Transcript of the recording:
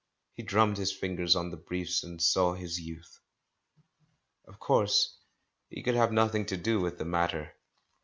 He drummed his fingers on the briefs, and saw his Youth. Of course he could have nothing to do with the matter.